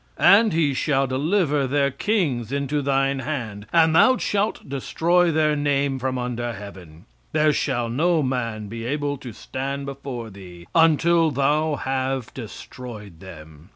"And he shall deliver their kings into thine hand, and thou shalt destroy their name from under heaven; there shall no man be able to stand before thee, until thou have destroyed them."